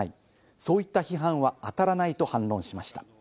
そういった批判はあたらないと反論しました。